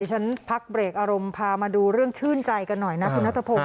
ฉันพักเบรกอารมณ์พามาดูเรื่องชื่นใจกันหน่อยนะคุณนัทพงศ